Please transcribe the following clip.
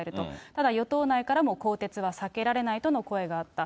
ただ与党内からも更迭は避けられないとの声があった。